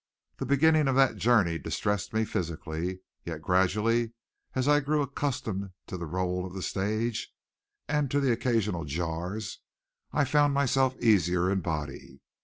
The beginning of that journey distressed me physically; yet, gradually, as I grew accustomed to the roll of the stage and to occasional jars, I found myself easier in body.